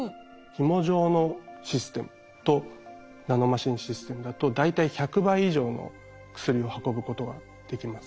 ひも状のシステムとナノマシンのシステムだと大体１００倍以上の薬を運ぶことができます。